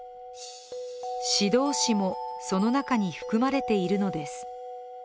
指導死も、その中に含まれているのです。